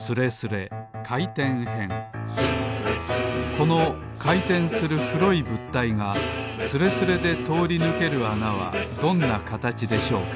このかいてんするくろいぶったいがスレスレでとおりぬけるあなはどんなかたちでしょうか？